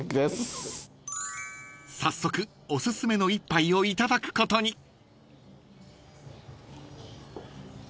［早速おすすめの一杯をいただくことに］